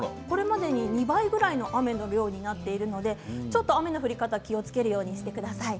２倍くらいの雨の量になっているので雨の降り方気をつけるようにしてください。